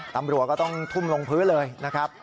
ตำรวจก็ต้องทุ่มลงพื้นเลยนะครับ